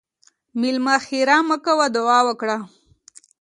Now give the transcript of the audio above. مېلمه ته ښیرا مه کوه، دعا وکړه.